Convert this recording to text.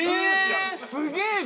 すげえな！